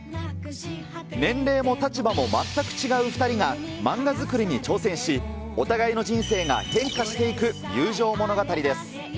年齢も立場も全く違う２人が、漫画作りに挑戦し、お互いの人生が変化していく友情物語です。